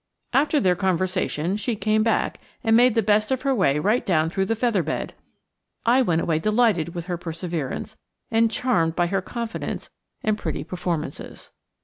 After their conversation she came back and made the best of her way right down through the feather bed! I went away delighted with her perseverance, and charmed by her confidence and pretty performances.